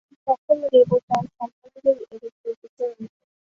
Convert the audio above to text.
সকল দেবতার সম্বন্ধেই এরূপ বুঝিতে হইবে।